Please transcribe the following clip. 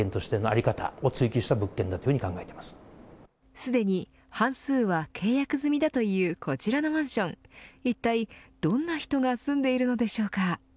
すでに半数は契約済みだというこちらのマンションいったいどんな人が住んでいるのでしょうか。